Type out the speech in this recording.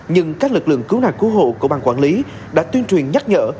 nhưng các lực lượng cứu nạn cứu hộ của ban quản lý đã tuyên truyền nhắc nhở